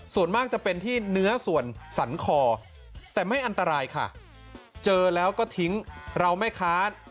ส่วนมากจะเป็นที่เนื้อส่วนสันคอแต่ไม่อันตรายค่ะเจอแล้วก็ทิ้งเราแม่ค้า